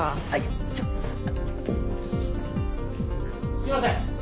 すいません。